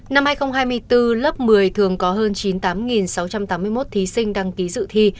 năm hai nghìn hai mươi bốn lớp một mươi thường có hơn chín mươi tám sáu trăm tám mươi một thí sinh đăng ký dự thi